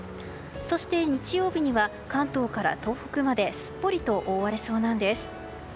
そして、日曜日には関東から東北まですっぽりと覆われそうなんです。